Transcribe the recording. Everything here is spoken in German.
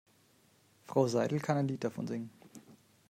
Frau Seidel kann ein Lied davon singen.